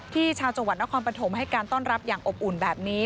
ชาวจังหวัดนครปฐมให้การต้อนรับอย่างอบอุ่นแบบนี้